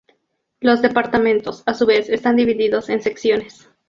Los departamentos, a su vez, están divididos en secciones.